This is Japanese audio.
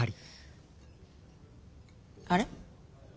あれ？